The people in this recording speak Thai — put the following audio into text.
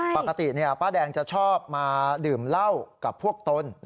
ปกติป้าแดงจะชอบมาดื่มเหล้ากับพวกตน